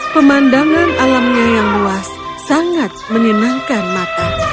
pemandangan alamnya yang luas sangat menyenangkan mata